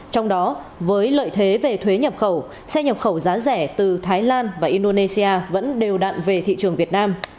trong đó với lợi thế về thuế nhập khẩu xe nhập khẩu giá rẻ từ thái lan và indonesia vẫn đều đạn về thị trường việt nam